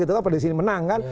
atau prediksi ini menang kan